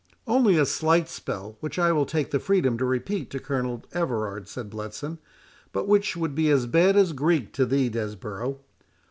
"Only a slight spell, which I will take the freedom to repeat to Colonel Everard," said Bletson; "but which would be as bad as Greek to thee, Desborough.